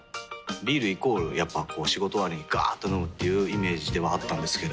ビールイコールやっぱこう仕事終わりにガーっと飲むっていうイメージではあったんですけど。